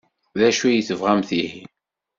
D acu i tebɣamt ihi?